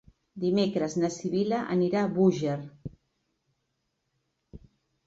Dimecres na Sibil·la anirà a Búger.